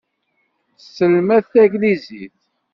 Tesselmad taglizit.